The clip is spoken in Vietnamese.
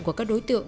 của các đối tượng